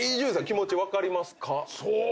気持ち分かりますか？